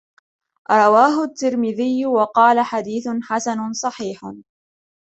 رواه التِّرمذيُّ، وقالَ:حديثٌ حَسَنٌ صحيحٌ.